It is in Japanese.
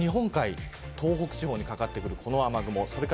日本海、東北地方にかかってくるこの雨雲